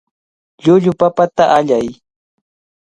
Llullu papata allay.